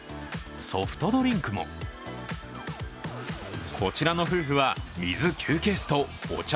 ソフトドリンクもこちらの夫婦は水９ケースとお茶